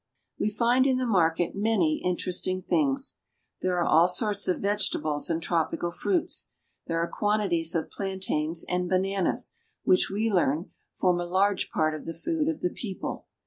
We find in the market many interesting things. There ON THE ORINOCO. 333 are all sorts of vegetables and tropical fruits. There are quantities of plantains and bananas, which, we learn, form a large part of the food of the people.